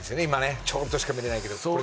今ねちょっとしか見てないけど。